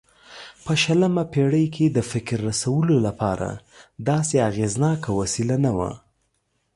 په شلمه پېړۍ کې د فکر رسولو لپاره داسې اغېزناکه وسیله نه وه.